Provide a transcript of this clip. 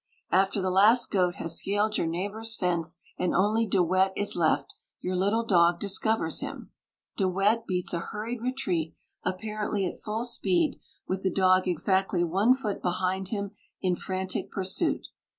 After the last goat has scaled your neighbour's fence, and only De Wet is left, your little dog discovers him. De Wet beats a hurried retreat, apparently at full speed, with the dog exactly one foot behind him in frantic pursuit.